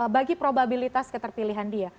bagi probabilitas keterpilihan dia